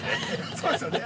◆そうですよね？